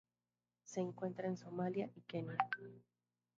Se encuentra en Somalia y Kenia.